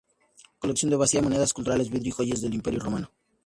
Colección de vasijas, monedas, esculturas, vidrio y joyas del Imperio romano.